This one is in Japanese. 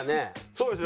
そうですね。